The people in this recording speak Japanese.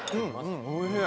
おいしい！